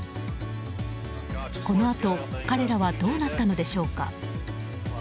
このあと、彼らはどうなったのでしょうか。